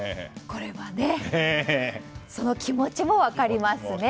これは、その気持ちも分かりますね。